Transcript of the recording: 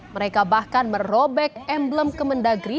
mereka bahkan merobek emblem kemendagri